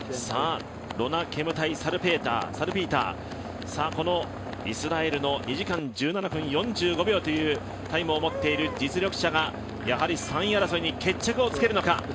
ロナ・ケムタイ・サルピーターこのイスラエルの２時間１７分４５秒というタイムを持っている実力者が３位争いに決着をつけるのか。